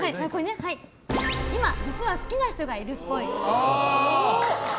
今実は好きな人がいるっぽい。